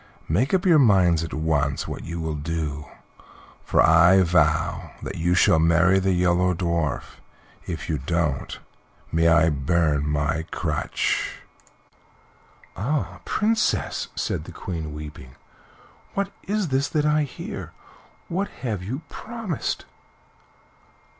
Make up your minds at once what you will do, for I vow that you shall marry the Yellow Dwarf. If you don't, may I burn my crutch!" "Ah! Princess," said the Queen, weeping, "what is this that I hear? What have you promised?"